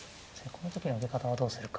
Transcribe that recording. この時の受け方はどうするか。